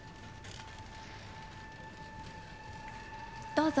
どうぞ。